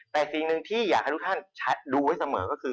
แต่สิ่งหนึ่งที่อยากให้ทุกท่านดูไว้เสมอก็คือ